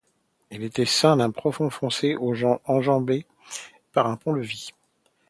Il était ceint d'un profond fossé enjambé par un pont-levis.